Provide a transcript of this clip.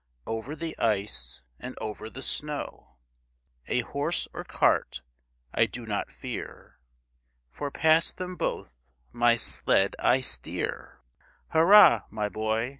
Over the ice, and over the snow; A horse or cart I do not fear. For past them both my sled I steer. Hurra! my boy!